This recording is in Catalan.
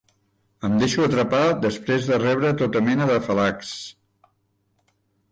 Em deixo atrapar després de rebre tota mena d'afalacs.